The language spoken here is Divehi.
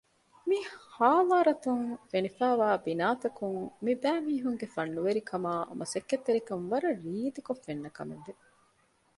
މި ޙާޟާރަތުން ފެނިފައިވާ ބިނާތަކުން މި ބައި މީހުންގެ ފަންނުވެރިކަމާއ މަސައްކަތްތެރިކަން ވަރަށް ރީތިކޮށް ފެންނަކަމަށްވެ